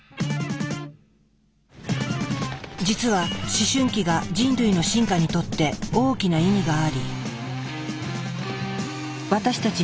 実は思春期が人類の進化にとって大きな意味があり私たち